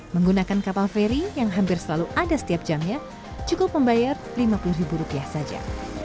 menggunakan kapal feri yang hampir selalu ada setiap jamnya cukup membayar lima puluh ribu rupiah saja